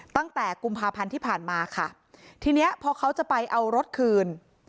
ตั้งแต่กุมภาพันธ์ที่ผ่านมาค่ะทีเนี้ยพอเขาจะไปเอารถคืน